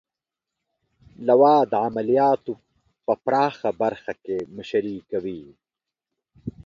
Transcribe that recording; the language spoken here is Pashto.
لوا د عملیاتو په پراخه برخه کې مشري کوي.